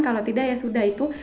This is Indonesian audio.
kalau tidak ya sudah itu